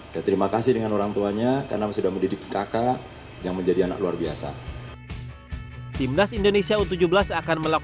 terima kasih dengan orang tuanya karena sudah mendidik kakak yang menjadi anak luar biasa